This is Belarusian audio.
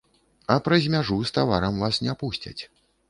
А праз мяжу з таварам вас не пусцяць.